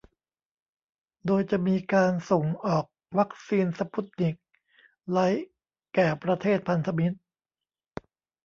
โดยจะมีการส่งออกวัคซีนสปุตนิก ไลท์ แก่ประเทศพันธมิตร